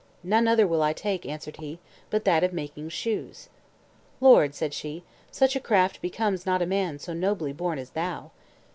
"None other will I take," answered he, "but that of making shoes." "Lord," said she, "such a craft becomes not a man so nobly born as thou."